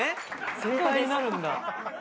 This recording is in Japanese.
先輩になるんだ。